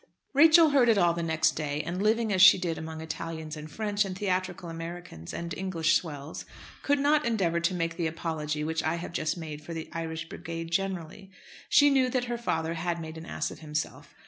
Rachel heard it all the next day, and, living as she did among Italians and French, and theatrical Americans, and English swells, could not endeavour to make the apology which I have just made for the Irish Brigade generally. She knew that her father had made an ass of himself.